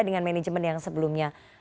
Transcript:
dengan manajemen yang sebelumnya